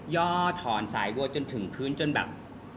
่อถอนสายบัวจนถึงพื้นจนแบบ